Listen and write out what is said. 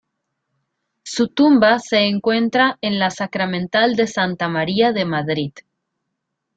Su tumba se encuentra en la Sacramental de Santa María de Madrid.